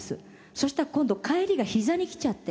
そしたら今度返りが膝にきちゃって。